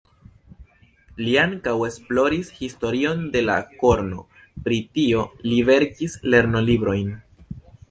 Li ankaŭ esploris historion de la korno, pri tio li verkis lernolibrojn.